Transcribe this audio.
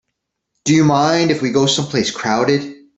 Do you mind if we go someplace crowded?